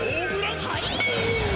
はい！